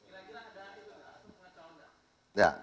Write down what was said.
atau pengacau enggak